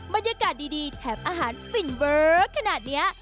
บรรยากาศดีแถมอาหารฟินเวอร์ขนาดนี้